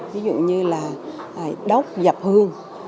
ví dụ như là đốt dập hương